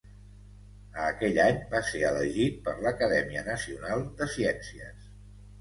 A aquell any, va ser elegit per l'Acadèmia Nacional de Ciències.